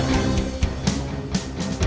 jangan sampai ada yang menang